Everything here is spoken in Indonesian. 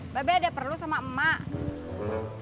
mbak be ada perlu sama emak